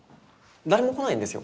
誰も来ないんですよ